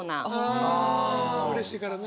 あうれしいからね。